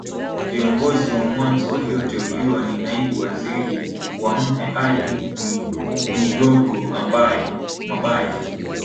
Viongozi wa mwanzo walio teuliwa ni Naibu Waziri wa Mhe Ali Mwinyigogo mabaye